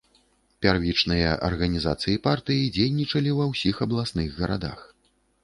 Пярвічныя арганізацыі партыі дзейнічалі ва ўсіх абласных гарадах.